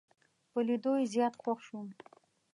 په لیدو یې زیات خوښ شوم.